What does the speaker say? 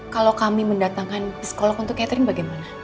kalau kami mendatangkan psikolog untuk catering bagaimana